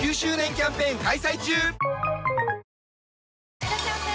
いらっしゃいませ！